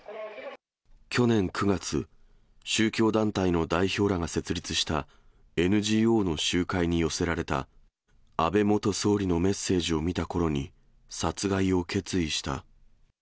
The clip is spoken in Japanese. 去年９月、宗教団体の代表らが設立したＮＧＯの集会に寄せられた安倍元総理のメッセージを見たころに殺害を決意した。